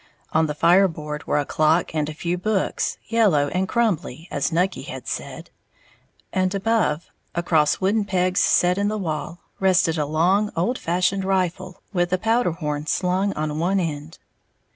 On the fireboard were a clock and a few books, yellow and crumbly, as Nucky had said, and above, across wooden pegs set in the wall, rested a long, old fashioned rifle, with a powderhorn slung on one end.